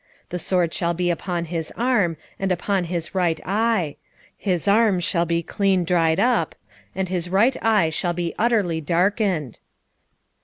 the sword shall be upon his arm, and upon his right eye: his arm shall be clean dried up, and his right eye shall be utterly darkened.